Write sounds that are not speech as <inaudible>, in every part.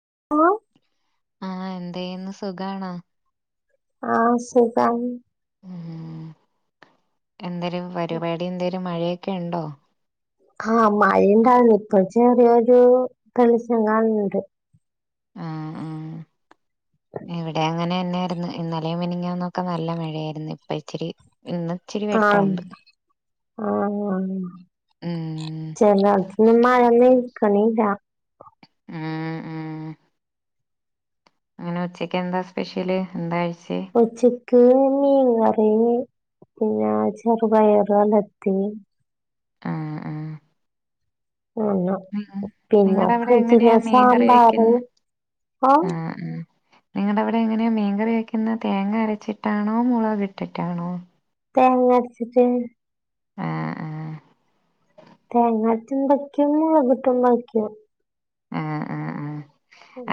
<unintelligible> ആഹ് എന്തേന്നു സുഖാണോ? ആഹ് സുഖാണ്. ഉം എന്തേലും പരിപാടി എന്തേലും മഴെ ഒക്കെണ്ടോ? ആ മഴേണ്ടായിരുന്നു ഇപ്പൊ ചെറിയൊരു തെളിച്ചം കാണണിണ്ട്. ആഹ് ആഹ് ഇവടെ അങ്ങനന്നെ ആർന്ന് ഇന്നലെ മിനിഞ്ഞാന്നൊക്കെ നല്ല മഴയാർന്ന് ഇപം ഇച്ചിരി ഇന്ന് ഇച്ചിരി ആഹ് വെട്ടോണ്ട് ആഹ് <unintelligible> ചെലോടത്ത് ഇന്ന് മഴ <unintelligible> പണീലാ. ഉം ഇന്ന് ഉച്ചക്കെന്താ സ്പെഷ്യല് എന്താ കഴി ഉച്ച ക്ക് മീൻ കറിയും പിന്നെ ചെറുപയറ് ഒലത്തി ആഹ് ആഹ് ആഹ് ഉം പിന്നെ നിങ്ങടെ അവിടെ ഫ്രിഡ്ജിലെ എങ്ങനെയാ മീൻകറി സാമ്പാറ് വെക്കുന്നെ <unintelligible> ആഹ് ആഹ് നിങ്ങടെ അവടെ എങ്ങനെയാ മീൻ കറി വെക്കുന്നേ തേങ്ങ അരിച്ചിട്ടാണോ മുളകിട്ടിട്ടാണോ? തേങ്ങ അരച്ചിട്ട് ആഹ് ആഹ് തേങ്ങാരച്ചുംവെക്കും മുളകിട്ടും വെക്കും. ആഹ് ആഹ്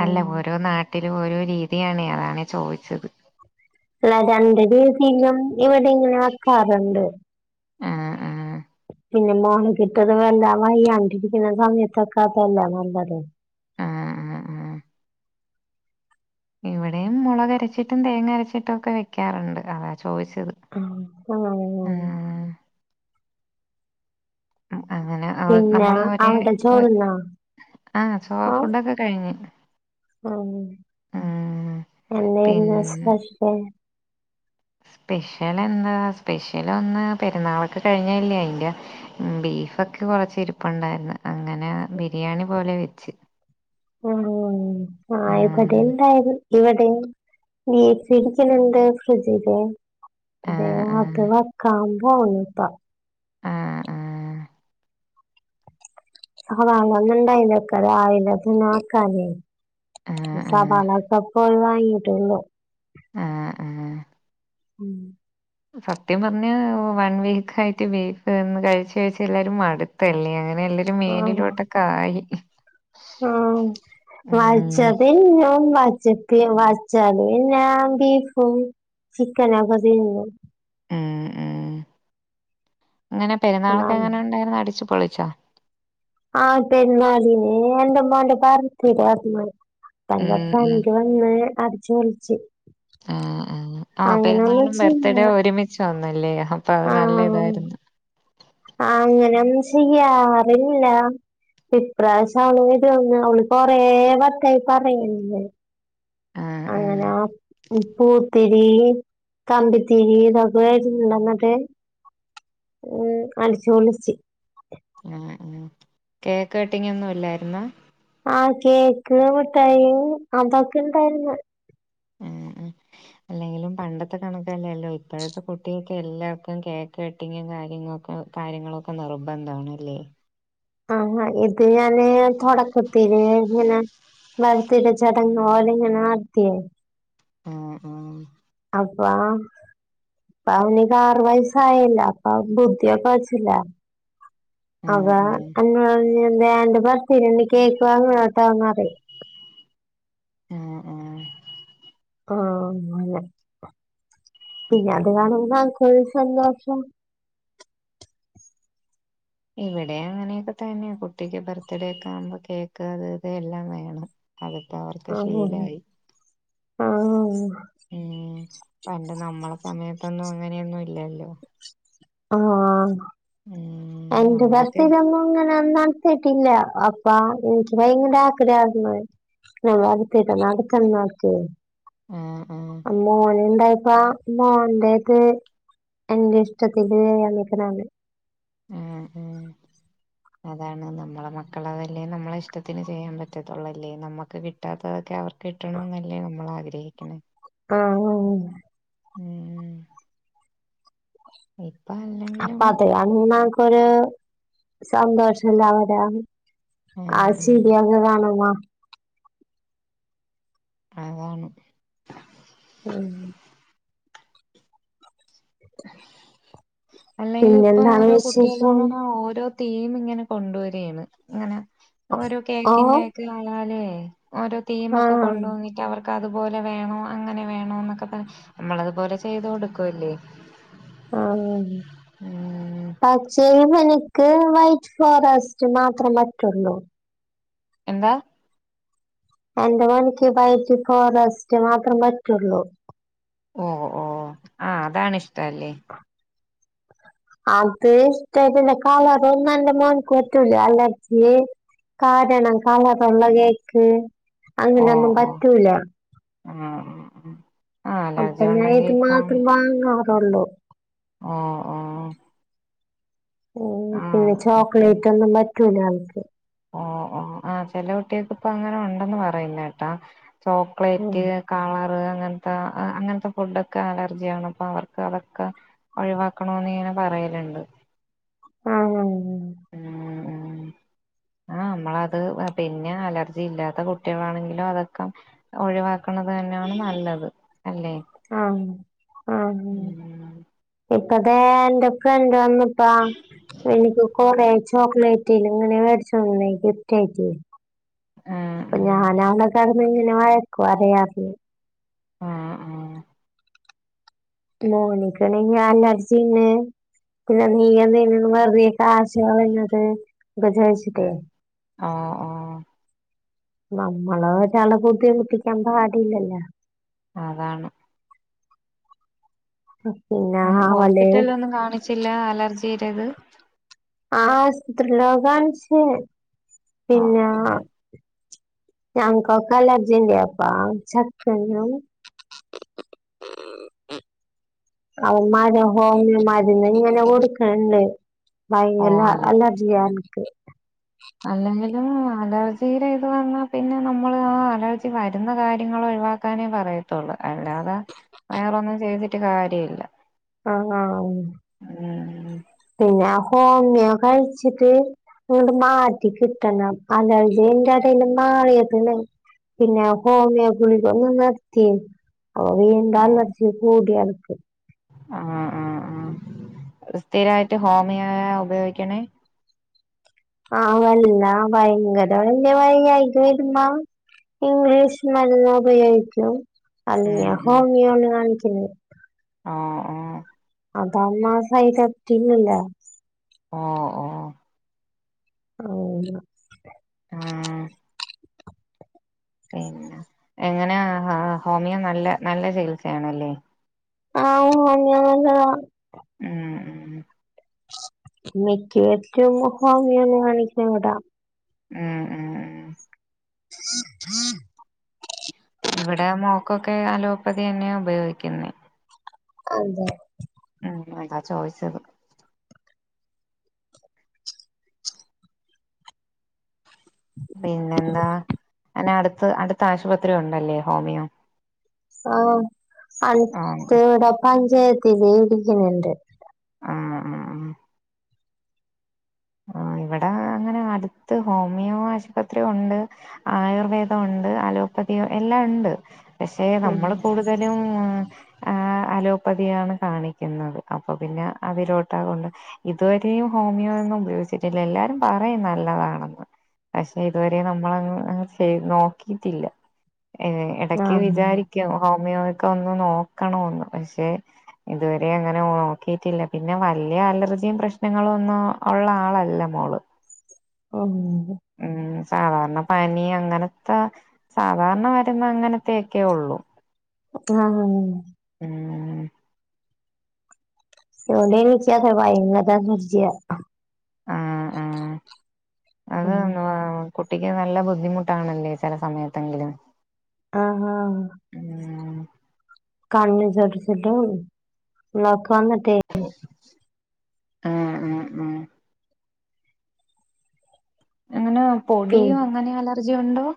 അല്ല ഓരോ നാട്ടി ൽ ഒരോ രീതി ആണ് അതാ ചോയ്ച്ചത് ള്ള രണ്ട് റീദീലും ഇവടെങ്ങനെ ആക്കാറുണ്ട് ആഹ് ആഹ് പിന്നെ മോണിക്കിക്ക് വയ്യാണ്ടിരിക്കണ സമയത്തക അതല്ലേ നല്ലത് ആഹ് ഇവടേംമുളക് അരിച്ചിട്ടും തേങ്ങ അരിച്ചിട്ടും ഒക്കെവെക്കാറുണ്ട് അതാ ചോദിച്ച ദിച്ചത് ആഹ് ആഹ് ഉം <unintelligible> അങ്ങനെ പിന്നെ നമ്മള് ഒരേ അവിടെ ചോറുന്നോ ആഹ് ചോ ഫുഡൊക്കെ കഴിഞ്ഞ് ഉം ഉം എന്തേനു നാസ്ത കഴിച്ചേ പെഷലെന്താ സ്പഷലൊന്ന് പെരുന്നാളൊക്കെ കഴിഞ്ഞല്ലേ ന്റെ ബീഫൊക്കെ കൊറച്ച് ഇരിപ്പ് ണ്ടാർന്ന് അങ്ങനെ ബിരിയാണി പോലങ്ങ് വെച്ച് ആഹ് ആഹ് ഇവിടെയുണ്ടായിരുന്നു ഇവിടെയും. ബീഫ് ഇരിക്കണ്ട ഫ്രിഡ്ജില് ആഹ് ആഹ് ദേഹക്കെ വെക്കാം. <unintelligible> ആഹ് ആഹ് <unintelligible> രാവിലെ തിന്നാ വെക്കാല്ലേ. ആഹ് ആഹ് സവാള കൊക്കെ പോയ്‌ വാങ്ങി. <unintelligible> ആഹ് ആഹ്. ഉം സത്യം പറഞ്ഞാൽ വൺ വീക്ക് ആയിട്ട് ബീഫ് എന്നെ കഴിച്ചു കഴിച്ച് എല്ലാരും മടുത്തല്ലേ അങ്ങ്. എല്ലാരും ആഹ് മോളിലോട്ടൊക്കെ ആഴി. ആഹ്. <unintelligible> ഉം ചക്ക് വച്ചാങ്കിൽ ഞാൻ ബീഫും ചിക്കനും ഒക്കെ തിന്നും. ഏഹ്‌ ഏഹ്‌. എങ്ങനെ പെരുന്നാൾ ഒക്കെ ഒന്നാമത് എങ്ങനെ ഉണ്ടായിരുന്നു അടിച്ചു പൊളി ച്ചാ. ആ പെരുന്നാളിന് എന്റെ ഉമ്മാന്റെ പാർഥിടർന്ന് പ്പന്റെ ഉം ഉം ഫ്രണ്ട് വന്നു ചോലിച്ച്. ആഹ് ആ പെരുന്നാളും ബർത്ത് ചെയ്യാ ഡേ യും ഒരുമിച്ചു വന്ന ന്നല്ലേ. അപ്പോ അത് ത ആ നല്ല ഇതായിരുന്നു. അറിഞ്ഞില്ല ഇപ്രാവശ്യം അവൾ കുറെ വട്ടായി പറയുന്നു. ആഹ് അങ്ങനെ. ആഹ് <unintelligible> തിരിയ് കമ്പിത്തിരി ഇതൊക്ക കൊണ്ടുവന്നിട്ട് അടിച്ചുപൊളിച്ചു. ആഹ് ആഹ് കേക്ക് കട്ടിങ് ഒന്നുമില്ലായിരുന്നോ? ആഹ് കേക്ക് മിട്ടായി അതൊക്കെ ഉണ്ടായിരുന്നു. ഏ ഹ്‌ അല്ലെങ്കിലും പണ്ടത്തെ കണക്കൊന്നും അല്ലല്ലോ ഇപ്പോഴത്തെകുട്ടികൾക്ക് എല്ലാവർക്കും കേക്ക് കട്ടിംഗ് കാര്യങ്ങളും ഒക്കെ നിർബന്ധമാണല്ലേ. ആഹ് ഇത് ഞാൻ തുടക്കത്തിലെ ഇങ്ങനെ ബർത്ത് ഡേ ചടങ്ങ് പോലെ ഇങ്ങനെ നടത്തിയേ. ആഹ് ആഹ്. ആ ഹ്‌ ഇപ്പം ആവണി ക്ക് ആറു വയസ്സായില്ലേ അപ്പോ അവൾക്ക് കുത്തിവെപ്പ് വച്ചില്ല അവ. ആഹ് ആഹ് <unintelligible> വേണ്ടവർ തിന്ന് കേക്ക് <unintelligible> അറിയും. ആഹ് ആഹ്. ആഹ് അതന്നെ, പിന്നെ ‌ അത് കാണുമ്പോൾ അവൾക്കൊരു സന്തോഷം. ഇവിടെ അങ്ങനെയൊക്കെ തന്നെ കുട്ടിക്ക് ബർത്ത് ഡേ ഒക്കെ ആകുമ്പോൾ കേക്ക് അത് ഇത് എല്ലാം വേണം. അതിപ്പോ അവർക്ക് ആഹ് ശീലവായി. ആഹ്. ഉം പണ്ട് നമ്മളെ സമയത്തൊന്നും ഇങ്ങനെയൊന്നും ഇല്ലല്ലോ ഹ് വാ ഉം പണ്ട് കാലത്ത് നമ്മളൊക്കെ ഇതൊന്നും ഇങ്ങനെ യൊന്നും <inaudible> ട്ടില്ല അപ്പൊ <unintelligible> <unintelligible> രാത്രി യാർന്നു ആഹ് ആഹ് <unintelligible> മോന് ഉണ്ടാ പാ മോന്റെത് എൻഗേജ്‌ ച ക്കി <unintelligible> എന്നേക്കാനല് ഉം ഉം അതാണ് നമ്മളെ മക്കളെതല്ലേ നമ്മളെ ഇഷ്ടത്തിന് ചെയ്യാൻ പറ്റോത്തൊള്ളൂ ല്ലേ നമ്മക്ക് കിട്ടാത്തതൊക്കെ അവർ കിട്ടണന്നല്ലേ നമ്മള് ആഗ്ര ഹിക്ക്‌ണ് <unintelligible> ആ ഉം ഉം ഉം ഉം ഹും അതെ അണ്ണാ <inaudible> ഒരു സന്തോഷ ല്ലാ <unintelligible> ആ ആഹ് ആഹ് ശരിയാവൂല കാണുവാ അത് കാണും ഉം അല്ലെങ്കിലും ഇപ്പൊ പിന്നെന്താണ് ഒരു കുട്ടേളും വിശേഷം ഇങ്ങനെ ഓരോ തീമ് ഇങ്ങനെ കൊണ്ടൊരേരുന്നു ഇങ്ങനെ ഒരു കേക്ക് ഓഹ് ഉണ്ടാക്കി വളാല്‌ ഹേ ഓരോ തീമൊക്കെ ആഹ് കൊണ്ടൊന്നിട്ട് അവർ അതുപോലെ വേണം അങ്ങനെ വേണം ന്നൊക്കെ പറഞ്ഞ് നമ്മള് അത് പോലെ ചെയ്ത് കൊടുക്കുവല്ലേ ആ ആ ഉം പച്ചേയും എനിക്ക് വൈറ്റ് ഫോറെസ്റ്റ് മാത്രം പറ്റോള്ളൂ എന്താ എന്റെ മോനിക്ക് വൈറ്റ് ഫോറെസ്റ്റ് മാത്രം പറ്റോള്ളൂ ഓ ഓ ആ അതാണിഷ് ട്ടല്ലേ അത് ഇഷ്ട്ടായിട്ടല്ല കളർ ഒന്നും അന്റെ മോന്ക്ക് പറ്റൂല അലർജി കാരണം കളറുള്ള കേക്ക് അങ്ങനൊന്നും പറ്റൂല ഹും ഹും അപ്പം ഞാൻ ഇത് മാത്രം വാങ്ങൊ ഒള്ളോ ഓ ഓ മ് ആ പിന്നെ അത് ചോക്ലേറ്റ് ഒന്നും പറ്റൂല <inaudible> ഓ ഓ ആ ചെല കുട്ടികൾക്ക് ഇപ്പൊ അങ്ങനെ ഉണ്ടെന്ന് പറയുന്ന കേട്ടു ഉം ചോക്ലേറ്റ് കളറ് അങ്ങനത്തെ അങ്ങനത്തെ ഫുഡോക്കെ അലർജിയാണ്. അപ്പൊ അവർക്ക് അതൊക്കെ ഒഴിവാക്കണംന്ന് ഇങ്ങനെ പറയലുണ്ട് ഉം ഉം ഉം ആഹ് നമ്മളെത് പിന്നെ അലർജി ഇല്ലാത്ത കുട്ടികളാണെങ്കിലും അതൊക്കെ ഒഴിവാക്കണത് തന്നെയാണ് നല്ലത് അല്ലേ ആഹ് ഉം ഉം ഉം <unintelligible> <unintelligible> ഇൻക്ക് കുറെ ചോക്ലേറ്റ് ഇങ്ങനെ വേടിച്ചു ഗിഫ്റ്റ് ആയിട്ട് ഉം ഇപ്പൊ ഉം ഞാൻ ആണ് <unintelligible> ആ ആ മോന്ക്ക് ആണെങ്കിൽ അലർജി ഇണ്ട് പിന്നെ <unintelligible> <unintelligible> ആഹ് ആഹ് നമ്മളൊരാളെ ബുദ്ധിമുട്ടിക്കാൻ പാടില്ലല്ലോ അതാണ്‌ <inaudible> അവള് ഹോസ്പിറ്റലിലൊന്നും കാണിച്ചില്ലാ അലർജി <unintelligible> ആ ആസ്പത്രീലൊക്കെ കാണിച്ച് ഓ പിന്നേ ഓ ഞങ്ങക്കൊക്കെ അലർജിണ്ടെ അപ്പാ ചെക്കനും അവന്മാരോ ഹോമിയോ മരുന്നിങ്ങനെ കൊടുക്കണെണ്ട് ഓ ഭയങ്കല അലർജിയാ എനിക്ക് അല്ലെങ്കി ലും അലർജീടെ ഇത് വന്നാ പിന്നെ നമ്മള് ആ അലർജി വരുന്ന കാര്യങ്ങള് ഒഴിവാക്കാനെ പറയത്തുള്ളൂ. അല്ലാതെ വേറെ ഒന്നും ചെയ്തിട്ട് കാര്യമില്ല. ആ ഉം പിന്നാ ഹോമിയോ കഴിച്ചിട്ട് ഇങ്ങട് മാറ്റി കിട്ടണം. അലർജി അതിന്റെ ഇടയില് മാറിയതണ് പിന്നെ ഹോമിയോ ഗുളിക ഒന്ന് നിർത്തി അപ്പൊ വീണ്ടും അലർജി കൂടിയാണ് ആഹ് ആഹ് ആ അത് സ്ഥിരായിട്ട് ഹോമിയോയാ ഉപയോഗിക്കണേ ആ വല്ല ഭയങ്കര വല്യ വയ്യായ്ക വരുമ്പ ഇംഗ്ലീഷ് മരുന്ന് ഉപയോഗിക്കും അല്ലെങ്കി ഞാൻ ഹോമിയോണ് കാണിക്കുന്നത് ആഹ് ആഹ് അതാന്നാ സൈഡ് എഫക്ട് ഇല്ലല്ലാ ഓ ഓ <unintelligible> ഇം പിന്ന എങ്ങനെയാ ഹ ഹോമിയോ നല്ല നല്ല ചികിൽസയാണല്ലെ. ആവൂ <unintelligible> മ്മ് മ്മ് മ്മ് <unintelligible> മ്മ്മ്മ് മ്മ് ഇവിടെ മോക്കൊക്കെ അലോപ്പതി എണ്ണയാ ഉപയോഗിക്കുന്നത് അതെ ഉം അതാ ചോദിച്ചത് പിന്നെന്താ അനെ അടുത് അടുത്താശ്രുപത്രി ഉണ്ടല്ലേ ഹോമിയോ സാ ആഹ് അടുത്ത് <unintelligible> <unintelligible> ഉം ഉം ആ ഇവടെ അങ്ങനെ അടുത്ത് ഹോമിയോ ആശുപത്രിഒണ്ട് അയുർവേദൊണ്ട് അലോപതി എല്ലാ ഒണ്ട് പക്ഷേ ഉം നമ്മളു കുടുതലും ആ അലോപതിയാണ് കാണിക്കുന്നത് അപ്പോ പിന്നെ അതിലോട്ടാ കൊണ്ടോ ഇതു വരേ ഹോമിയോ ഒന്നു ഉപയോഗിച്ചിട്ടില്ല എല്ലാരും പറേം നല്ലതാണെന്ന് പക്ഷേ ഇതു വരെ നമ്മള് അത് അങ്ങ് ചെയ്ത് നോക്കിട്ടില്ല ഏ ആ എടക്ക് വിജാരിക്കും ഹോമിയോ ഇക്ക് ഒന്ന് നേകണോന്ന് പക്ഷേ ഇതുവരെ അങ്ങനെ നോക്കി റ്റില്ല പിന്നെ വല്ല്യ അലർജി പ്രശ്നങ്ങൾ ഒന്നു ഉള്ള ആൾ അല്ല മോള് ഒന്ന് സാധരണ പനി അങ്ങനത്തെ സാധരണ വരുന്ന അങ്ങനെത്തെ ഉള്ളു <unintelligible> മമ് എവടെ നിക്കാംവൈന്നാരം അലർജി ആഹ് ആഹ് അത് <unintelligible> ന- കുട്ടിക്ക് നല്ല ബുദ്ധിമുട്ട് അണ് ലെ ചില സമയത്തെങ്കലും ആഹഹ കണ്ണ് ചതിച്ചിട്ട് ഉള്ളു ഉമ്മാക്ക് വന്നിടെ ഹ ഹ ഹ അങ്ങനെ പിൻ പോടിയോ അങ്ങനെ അലർ ഇജ് ഉണ്ടോ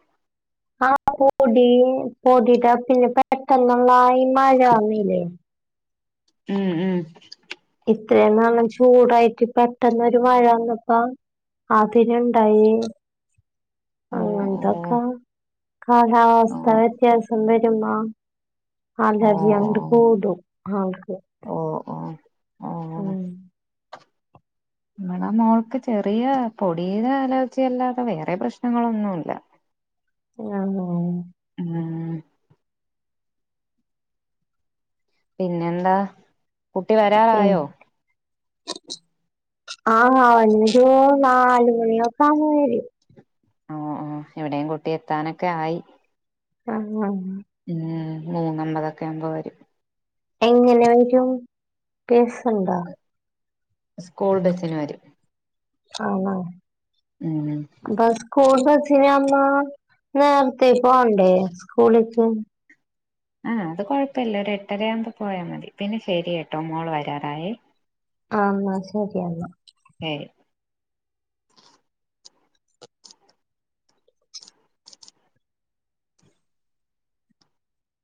ആ പൊടിപൊടി ടെ പിന്നെ പയ്തണം വായ് മഴനിലെ മ് മ് ഇത്രയും നാളും ചൂടായിട്ട് പെട്ടെന്ന് ഒരു മഴ വന്നപ്പം ആഗ്രഹമുണ്ടായി- ഓ അങ്ങനെ ഓ തക്കം ഓ കാലാവസ്ഥാവ്യത്യാസം വരും എന്നാ അതെ ഓ അതെ അങ്ങട് ഓ കൂടും ആൾക്ക് - ഓം ഓ നമ്മുടെ മോൾക്ക് ചെറിയ പൊടിയുടെ അലർജിയല്ലാതെ വേറെ പ്രശ്നങ്ങൾ ഒന്നുമില്ല ആന്നോ ആ പിന്നെന്താ കുട്ടി ഉം വരാറായോ ആ അഞ്ചു നാലുമണിയൊക്കെ ആകുമ്പോൾ വരും ആആ ഇവിടെയും കുട്ടി എത്താറക്കെ ആയി- ആഹ് ആ ഹ് പിന്നെ മൂന്നാമ്പൊക്കെയാവുമ്പം വരും എങ്ങനെ വരും ബസ്- ഉണ്ടോ സ്കൂൾ ബസ്സിന് വരും ആണോ ഉം ബസ് സ്കൂൾ ബസ് <unintelligible> തി പോണ്ടേ സ്കൂളി പോവും ആ അതു കുഴപ്പമില്ല ഒരു എട്ടര ആകുമ്പോ പോയാൽ മതി പിന്നെ ശരി കേട്ടോ മോള് വരാറായെ ആ എന്നാ ശരി എന്നാ ഏയ്